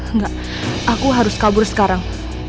enggak aku harus kabur sekarang